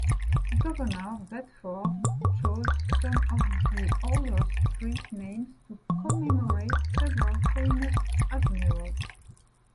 Governor Bedford chose some of the older street names to commemorate several famous Admirals.